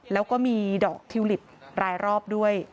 แล้วก็มีดอกทิวลิปรายรอบด้วย